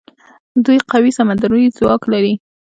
دوی قوي سمندري ځواک درلود.